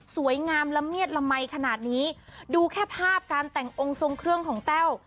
สวยงามละเมียดละมัยขนาดนี้ดูแค่ภาพการแต่งองค์ทรงเครื่องของแต้ว